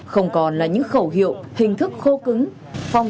không còn là những khẩu hiệu hình thức khô cứng